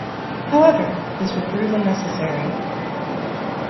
However, this would prove unnecessary.